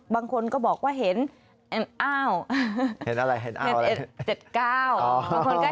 บางคนก็บอกว่าเห็นอ้าวเห็นอะไรเห็นอ้าวอะไร